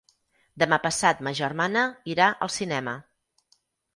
Demà passat ma germana irà al cinema.